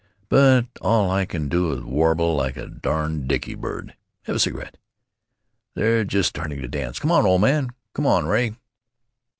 But all I can do is warble like a darn' dicky bird. Have a cigarette?... They're just starting to dance. Come on, old man. Come on, Ray."